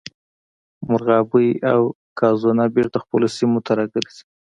مرغابۍ او قازونه بیرته خپلو سیمو ته راګرځي